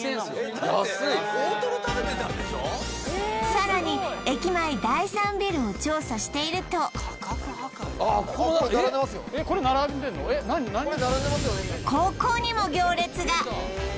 さらに駅前第３ビルを調査しているとここにも行列が！